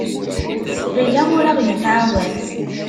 Ɣileɣ ur aɣ-yettɛawan.